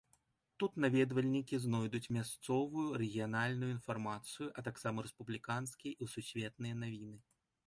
Тут наведвальнікі знойдуць мясцовую, рэгіянальную інфармацыю, а таксама рэспубліканскія і сусветныя навіны.